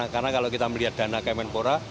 karena kalau kita melihat dana kemenpora